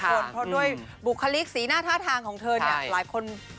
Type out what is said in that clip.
เพราะด้วยบุคลิกสีหน้าท่าทางของเธอเนี่ยหลายคน